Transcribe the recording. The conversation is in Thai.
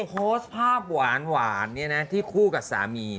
โพสต์ภาพหวานที่คู่กับสามี